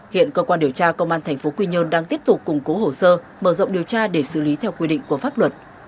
hiện cơ quan điều tra công an tp quy nhơn đang tiếp tục củng cố hồ sơ mở rộng điều tra để xử lý theo quy định của pháp luật